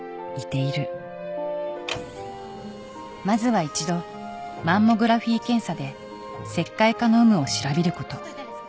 「まずは一度マンモグラフィー検査で石灰化の有無を調べること」